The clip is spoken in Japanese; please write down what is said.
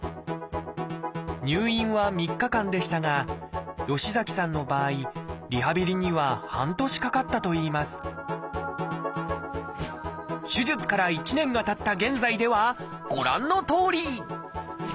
入院は３日間でしたが吉崎さんの場合リハビリには半年かかったといいます手術から１年がたった現在ではご覧のとおり！